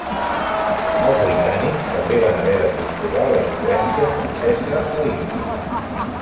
Els britànics també va haver de comprovar la influència francesa a l'Índia.